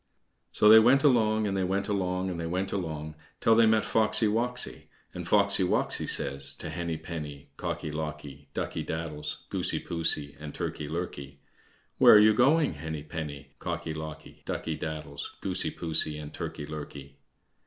So they went along, and they went along, and they went along till they met Foxy woxy, and Foxy woxy says to Henny penny, Cocky locky, Ducky daddles, Goosey poosey, and Turkey lurkey: "Where are you going, Henny penny, Cocky locky, Ducky daddles, Goosey poosey, and Turkey lurkey?"